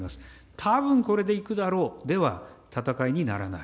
たぶん、これでいくだろうではなく、戦いにならない。